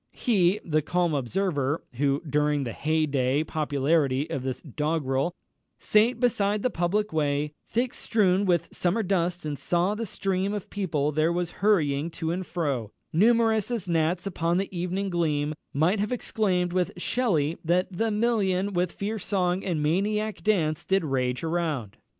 He, the calm observer, who during the hey day popularity of this doggrel, "Sate beside the public way, Thick strewn with summer dust, and saw the stream Of people there was hurrying to and fro, Numerous as gnats upon the evening gleam," might have exclaimed with Shelley, that "The million, with fierce song and maniac dance, Did rage around."